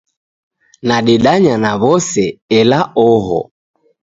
Nadedanya na w'ose, ela oho.